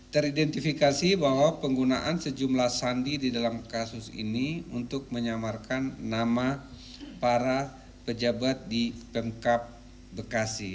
teridentifikasi bahwa penggunaan sejumlah sandi di dalam kasus ini untuk menyamarkan nama para pejabat di pemkap bekasi